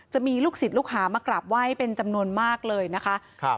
จะมีลูกศิษย์ลูกหามากราบไหว้เป็นจำนวนมากเลยนะคะครับ